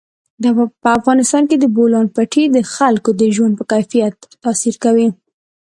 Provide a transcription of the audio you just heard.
په افغانستان کې د بولان پټي د خلکو د ژوند په کیفیت تاثیر کوي.